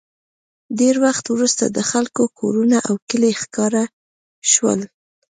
ډېر وخت وروسته د خلکو کورونه او کلي ښکاره شول